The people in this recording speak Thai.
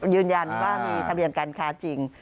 ยืนยันว่ามีทะเบียนการค้าจริง